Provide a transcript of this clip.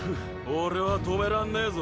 俺は止めらんねぇぞ。